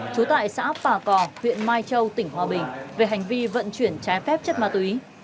trú tại xã phà cò huyện mai châu tỉnh hòa bình về hành vi vận chuyển trái phép chất ma túy